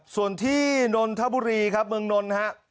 ส่วนที่นนทบุรีเมืองนน